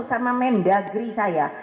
sama mendagri saya